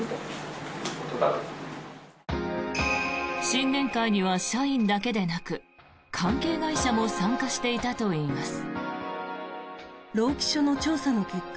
新年会には社員だけでなく関係会社も参加していたといいます。